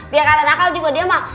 biar ada nakal juga dia mah